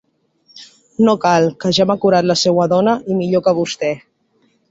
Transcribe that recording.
No cal, que ja m’ha curat la seua dona, i millor que vostè.